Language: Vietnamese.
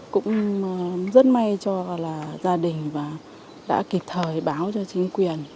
cũng rất may cho là gia đình và đã kịp thời báo cho chính quyền